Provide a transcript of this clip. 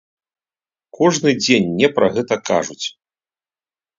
Кожны дзень мне пра гэта кажуць.